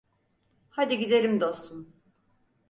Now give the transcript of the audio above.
Hadi gidelim, dostum.